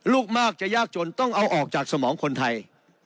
ลูกมากจะยากจนต้องเอาออกจากสมองคนไทย